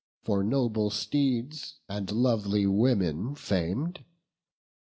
For noble steeds and lovely women fam'd."